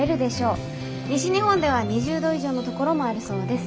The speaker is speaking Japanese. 西日本では２０度以上の所もありそうです。